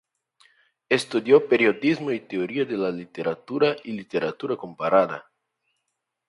Estudió Periodismo y Teoría de la Literatura y Literatura Comparada.